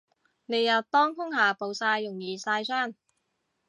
烈日當空下暴曬容易曬傷